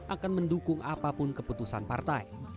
akan mendukung apapun keputusan partai